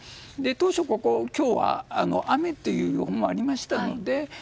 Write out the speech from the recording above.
当初、今日は雨という予報もありましたので。